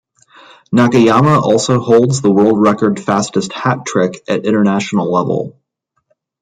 Nakayama also holds the world record fastest hat-trick at international level.